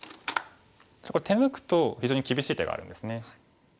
これ手抜くと非常に厳しい手があるんですね。